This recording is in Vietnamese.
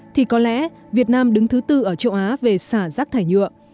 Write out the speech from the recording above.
thì có lẽ việt nam đứng thứ tư ở châu á về xả rác thải nhựa